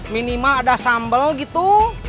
minimal ada sambel gitu